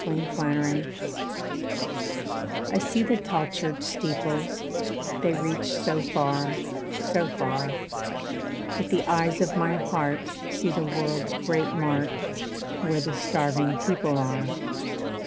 =Contrasts= I see the tall church steeples, They reach so far, so far, But the eyes of my heart see the world's great mart, Where the starving people are.